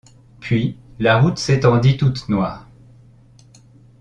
Puis, la route s’étendit toute noire.